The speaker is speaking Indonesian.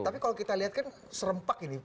tapi kalau kita lihat kan serempak ini